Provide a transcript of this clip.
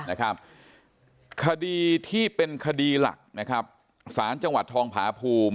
นะครับคดีที่เป็นคดีหลักนะครับสารจังหวัดทองผาภูมิ